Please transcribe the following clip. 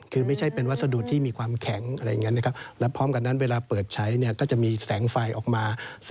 คือไม่ใช่เป็นวัสดุที่มีความแข็งอะไรอย่างนั้นนะครับแล้วพร้อมกันนั้นเวลาเปิดใช้เนี่ยก็จะมีแสงไฟออกมา